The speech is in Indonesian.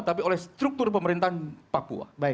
tapi oleh struktur pemerintahan papua